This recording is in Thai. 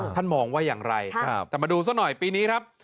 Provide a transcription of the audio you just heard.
มองว่าอย่างไรแต่มาดูซะหน่อยปีนี้ครับ